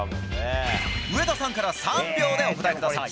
上田さんから３秒でお答えください。